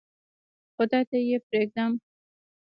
خدای ته یې پرېږدم.